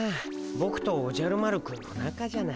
ボクとおじゃる丸くんの仲じゃない。